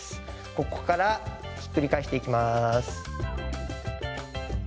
ここからひっくり返していきます。